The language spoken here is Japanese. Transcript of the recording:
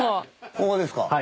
ここですか？